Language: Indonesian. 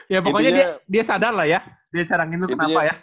ya pokoknya dia sadar lah ya karena dia cadangin lu kenapa ya